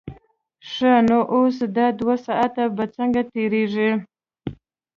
ښه نو اوس دا دوه ساعته به څنګه تېرېږي.